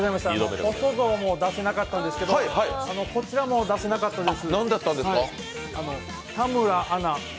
細象も出せなかったですけどこちらも出せなかったです。